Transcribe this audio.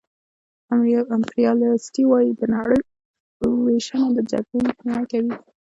امپریالیستان وايي د نړۍ وېشنه د جګړې مخنیوی کوي